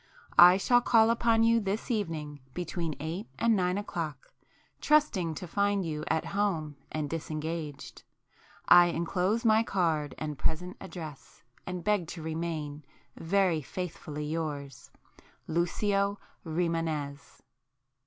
I shall call upon you this evening between eight and nine o'clock, trusting to find you at home and disengaged. I enclose my card, and present address, and beg to remain, Very faithfully yours Lucio Rimânez.